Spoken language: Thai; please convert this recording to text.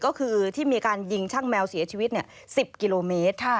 ก็คือที่มีการยิงช่างแมวเสียชีวิต๑๐กิโลเมตร